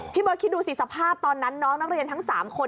เบิร์ดคิดดูสิสภาพตอนนั้นน้องนักเรียนทั้ง๓คน